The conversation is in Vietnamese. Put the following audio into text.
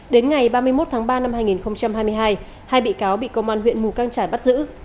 đến ngày ba mươi một tháng ba năm hai nghìn hai mươi hai hai bị cáo bị công an huyện mù căng trải bắt giữ